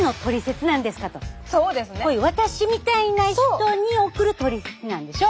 こういう私みたいな人に送るトリセツなんでしょ？